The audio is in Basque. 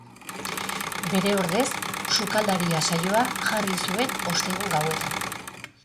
Bere ordez Sukaldaria saioa jarri zuen ostegun gauetan.